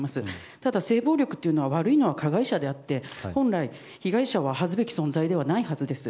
ただ、性暴力というのは悪いのは加害者であって本来、被害者は恥ずべき存在ではないと思います。